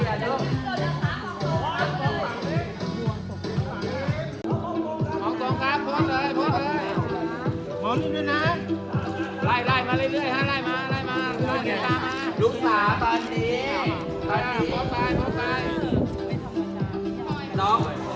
สาหร่าขอให้ก่อนยังไม่เปลี่ยนยังไม่เปลี่ยนลุ้ม